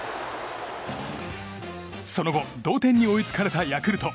その後、同点に追いつかれたヤクルト。